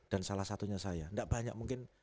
dan salah satunya saya enggak banyak mungkin